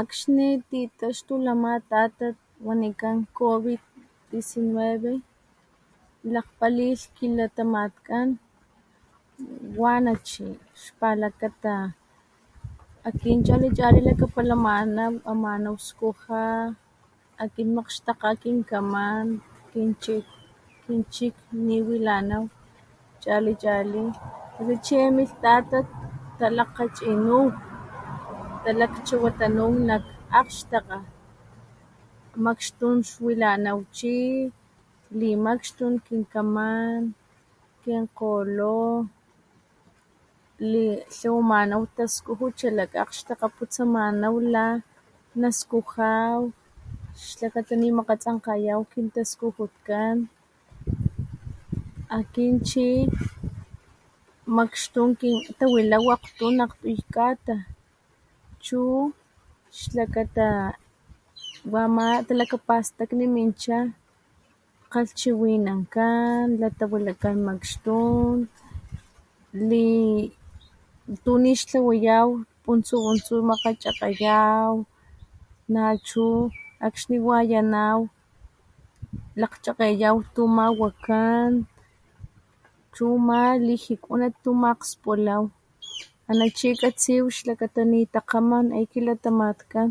Akxni titaxtulh ama tatat wanikan covid-19 lakgpalilh kilatamatkan wana chi xpalakata akin chali chali lakapalamanaw amanaw skujaw akin makgxtakgaw kinkaman kin chik kin chik niwilanaw chali chali akxni chi jae milh tatat talakgachinuw, talakchawatanuw nak akxtakga makxtun xwilanaw chi limakxtun kinkaman kinkgolo tlawamanaw taskujut xalakg akgxtakga putsamanaw lanaskujaw xlakata nimakgatsankgayaw kintaskujutkan akin chi makxtun tawilaw akgtun akgtuy kata chu xlakata wama talakapastakni mincha kgalhchiwinankan latawilakan makxtun tunixtlawayaw puntsu puntsu makgachakgayaw nachu akxni wayanaw lakgchakgayaw tu ama wakan chu ama lijikuanan tu akgspulaw ana chi katsiw xlakata nitakgaman kilatamankan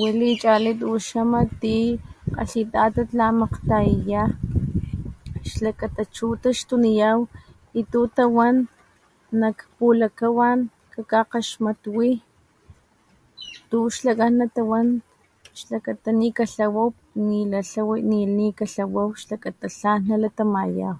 wali chali tuxama ti kgalhi tatat lamakgtayaya xlakata chu taxtuniyaw y tu tutawan nak pulakawan kakgakgaxmatwi tuxlakan natawan xlakata nikatlawaw nitlawyaw xlakata tlan nalatamayaw.